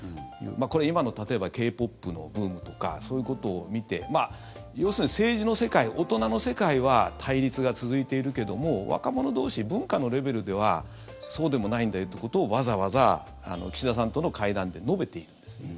これ、今の例えばＫ−ＰＯＰのブームとかそういうことを見て要するに政治の世界、大人の世界は対立が続いているけども若者同士、文化のレベルではそうでもないんだよってことをわざわざ岸田さんとの会談で述べているんですね。